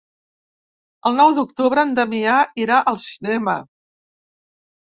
El nou d'octubre en Damià irà al cinema.